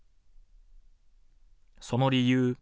その理由。